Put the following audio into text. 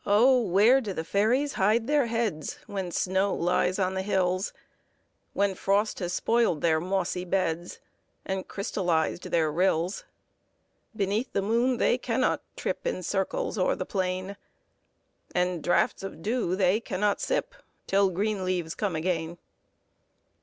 where do fairies hide their heads, When snow lies on the hills, When frost has spoiled their mossy beds, And crystallized their rills? Beneath the moon they cannot trip In circles o'er the plain ; And draughts of dew they cannot sip, Till green leaves come again.